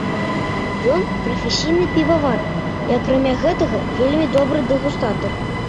Ён прафесійны півавар і, акрамя гэтага, вельмі добры дэгустатар.